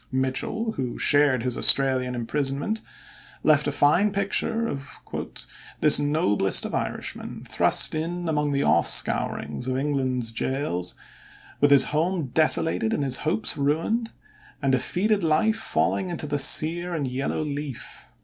Mitchel, who shared his Australian imprisonment, left a fine picture of "this noblest of Irishmen, thrust in among the off scourings of England's gaols, with his home desolated and his hopes ruined, and defeated life falling into the sere and yellow leaf.